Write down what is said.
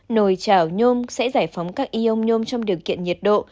nồi chảo nhôm sẽ giải phóng các ion nhôm trong điều kiện nhiệt độ